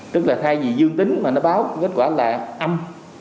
tức là thay vì dương tính mà nó báo kết quả là âm